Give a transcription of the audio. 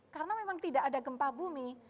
karena memang tidak ada gempa bumi